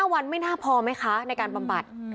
๔๕วันไม่น่าพอไหมคะในการปรับบัติ